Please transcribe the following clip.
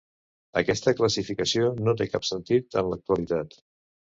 Aquesta classificació no té cap sentit en l'actualitat.